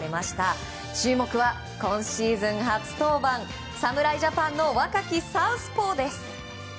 注目は今シーズン初登板侍ジャパンの若きサウスポーです。